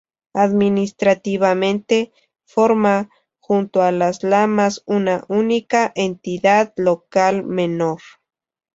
Administrativamente, forma, junto a Las Lamas una única Entidad Local Menor.